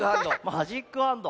マジックハンド。